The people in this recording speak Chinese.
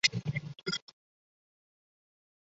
当颞动脉扩大时可能会造成偏头痛。